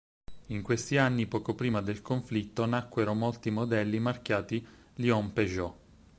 In questi anni poco prima del conflitto nacquero molti modelli marchiati Lion-Peugeot.